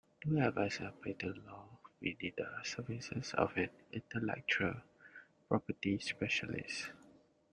To advise on patent law, we need the services of an intellectual property specialist